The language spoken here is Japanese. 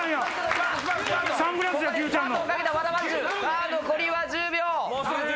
さぁ残りは１０秒！